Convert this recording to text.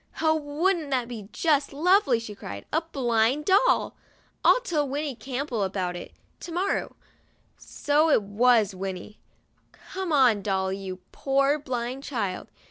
"Oh, wouldn't that be just lovely!' she cried. "A blind doll! I'll tell Winnie Campbell all about it to morrow." So it was Winnie ! "Come on, Dolly, you poor blind child.